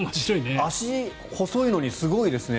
足細いのにすごいですね。